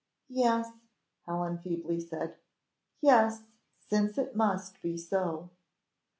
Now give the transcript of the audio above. "Yes," Helen feebly said; "yes, since it must be so."